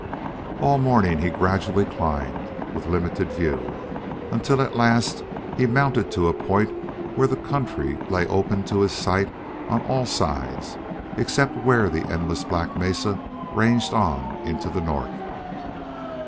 All morning he gradually climbed, with limited view, until at last he mounted to a point where the country lay open to his sight on all sides except where the endless black mesa ranged on into the north.